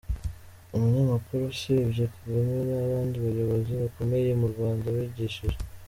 Umunyamakuru: Usibye Kagame, nta bandi bayobozi bakomeye mu Rwanda wigishije?.